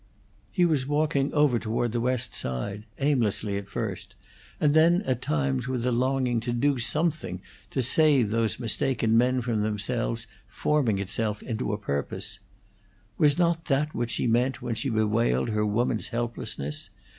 He was walking over toward the West Side, aimlessly at first, and then at times with the longing to do something to save those mistaken men from themselves forming itself into a purpose. Was not that what she meant when she bewailed her woman's helplessness?